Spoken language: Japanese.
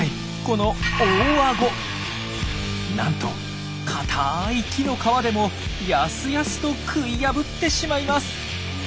このなんと硬い木の皮でもやすやすと食い破ってしまいます！